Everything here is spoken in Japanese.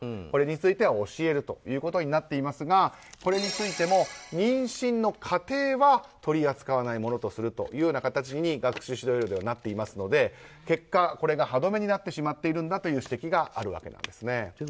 これについては教えることになっていますがこれについても妊娠の過程は取り扱わないものとすると学習指導要領ではなっていますので結果、これが歯止めになってしまっている指摘があるんですね。